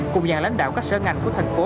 cùng nhà lãnh đạo các sở ngành của thành phố